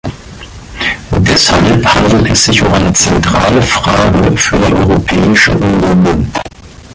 Deshalb handelt es sich um eine zentrale Frage für die Europäische Union.